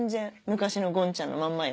昔のごんちゃんのまんまよ。